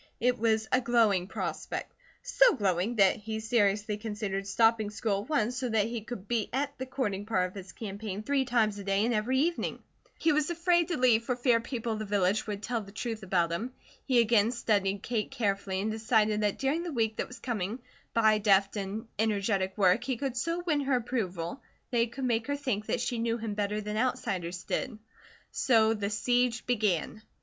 It was a glowing prospect; so glowing that he seriously considered stopping school at once so that her could be at the courting part of his campaign three times a day and every evening. He was afraid to leave for fear people of the village would tell the truth about him. He again studied Kate carefully and decided that during the week that was coming, by deft and energetic work he could so win her approval that he could make her think that she knew him better than outsiders did. So the siege began.